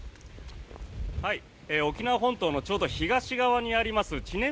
沖縄本島のちょうど東側にあります